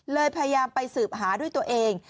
พยายามไปสืบหาด้วยตัวเอง